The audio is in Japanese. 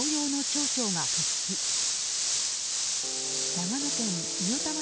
長野県御代田町